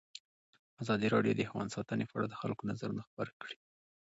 ازادي راډیو د حیوان ساتنه په اړه د خلکو نظرونه خپاره کړي.